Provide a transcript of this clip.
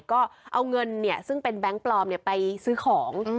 ก็เอาเงินซึ่งเป็นแบงค์ปลอมไปซื้อของ